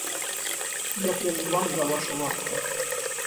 Я предан вам за вашу ласку.